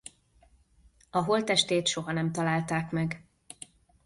A holttestét soha nem találták meg.